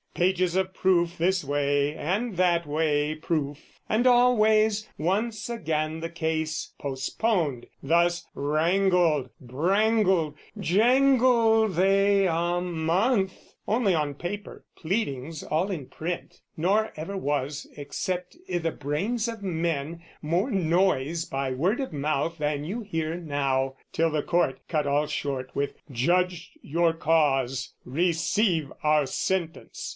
Pages of proof this way, and that way proof, And always once again the case postponed. Thus wrangled, brangled, jangled they a month, Only on paper, pleadings all in print, Nor ever was, except i' the brains of men, More noise by word of mouth than you hear now Till the court cut all short with "Judged, your cause "Receive our sentence!